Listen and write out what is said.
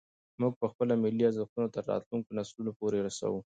موږ به خپل ملي ارزښتونه تر راتلونکو نسلونو پورې رسوو.